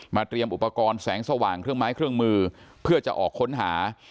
เตรียมอุปกรณ์แสงสว่างเครื่องไม้เครื่องมือเพื่อจะออกค้นหา